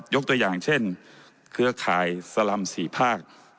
ยกตัวอย่างเช่นเครือข่ายสลำ๔ภาค